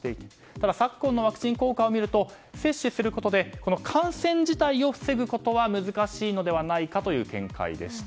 ただ、昨今のワクチン効果を見ると接種することで感染自体を防ぐことは難しいのではないかという見解でした。